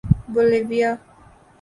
Bolivia